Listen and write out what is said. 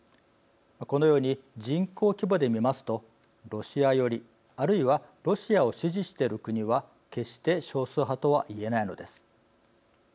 このように人口規模で見ますとロシア寄り、あるいはロシアを支持している国は決して少数派とは言えないのです。